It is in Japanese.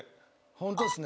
ホントですね。